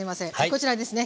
こちらですね